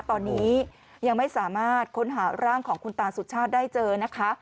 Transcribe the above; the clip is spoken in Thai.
ตอนนี้ยังไม่สามารถค้นหาร่างของคุณตาสุชาติได้เจอนะคะ